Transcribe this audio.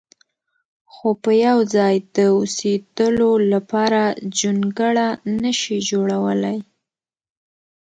خو په یو ځای د اوسېدلو لپاره جونګړه نه شي جوړولی.